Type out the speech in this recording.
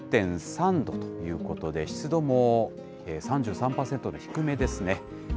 ９．３度ということで、湿度も３３％と低めですね。